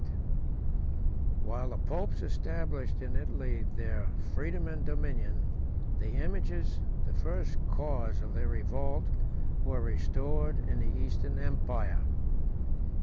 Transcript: ] While the popes established in Italy their freedom and dominion, the images, the first cause of their revolt, were restored in the Eastern empire.